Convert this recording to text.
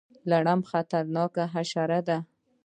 لړم خطرناکه حشره ده